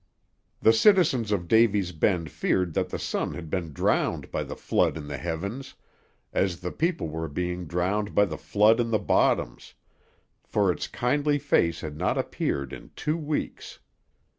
The citizens of Davy's Bend feared that the sun had been drowned by the flood in the heavens, as the people were being drowned by the flood in the bottoms, for its kindly face had not appeared in two weeks.